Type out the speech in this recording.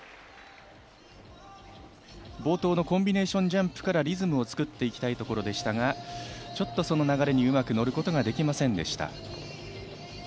冒頭のコンビネーションジャンプからリズムを作っていきたいところでしたがちょっと流れにうまく乗ることができませんでした。